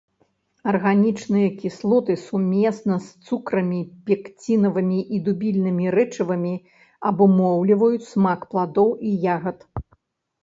Арганічныя кіслоты сумесна з цукрамі, пекцінавымі і дубільнымі рэчывамі абумоўліваюць смак пладоў і ягад.